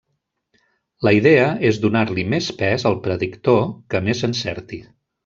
La idea és donar-li més pes al predictor que més encerti.